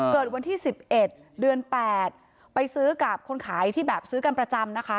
เกิดวันที่๑๑เดือน๘ไปซื้อกับคนขายที่แบบซื้อกันประจำนะคะ